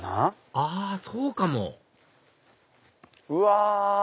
あそうかもうわ！